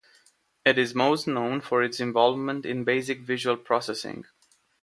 It is most known for its involvement in basic visual processing.